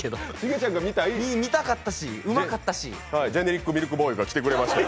見たかったし、うまかったしジェネリック・ミルクボーイが来てくれました。